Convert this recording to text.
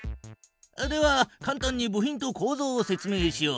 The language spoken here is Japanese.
ではかん単に部品とこうぞうを説明しよう。